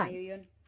saya bersama yuyun